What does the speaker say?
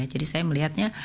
jadi saya melihatnya